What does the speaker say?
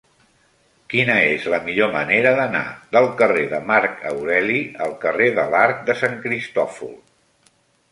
Quina és la millor manera d'anar del carrer de Marc Aureli al carrer de l'Arc de Sant Cristòfol?